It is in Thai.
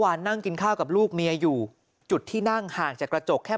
นั่งกินข้าวกับลูกเมียอยู่จุดที่นั่งห่างจากกระจกแค่